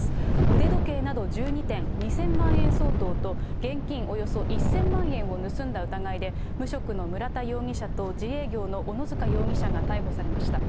腕時計など１２点、２０００万円相当と、現金およそ１０００万円を盗んだ疑いで、無職の村田容疑者と、自営業の小野塚容疑者が逮捕されました。